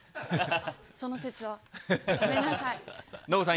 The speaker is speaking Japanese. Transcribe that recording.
その節は、ごめんなさい。